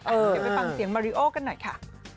เดี๋ยวไปฟังเสียงมาริโอกันหน่อยค่ะ